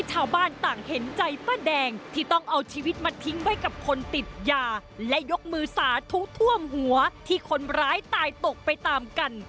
ขอรับตัวเราได้ด้วยทุกข้างมาดูว่าว่า